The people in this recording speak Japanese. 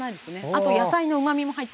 あと野菜のうまみも入ってます。